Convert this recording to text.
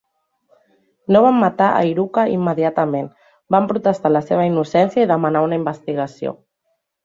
No van matar a Iruka immediatament, van protestar la seva innocència i demanar una investigació.